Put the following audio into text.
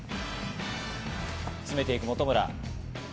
詰めていく本村。